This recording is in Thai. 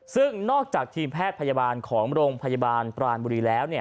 ซึ่งนอกจากทีมแพทย์พยาบาลของโรงพยาบาลปรานบุรีแล้ว